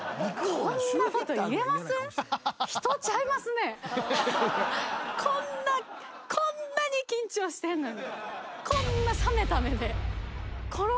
こんなこんなに緊張してんのに。